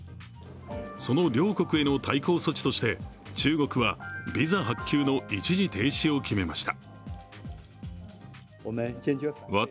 その両国への対抗措置として、中国はビザ発給の一時停止を決めました。